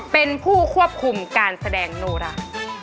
เป็นผู้ควบคุมการแสดงโนรา